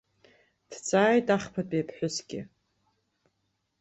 Дҵааит ахԥатәи аԥҳәысгьы.